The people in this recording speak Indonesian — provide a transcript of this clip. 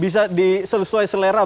bisa di aplikasikan dengan apapun